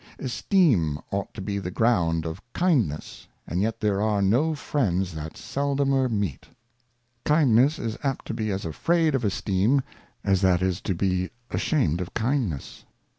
Esteem ought to be the ground of Kindness, and yet there are no Friends that seldomer meet. Kindness is apt to be as afraid of Esteem, as that is to be ashamed of Kindness.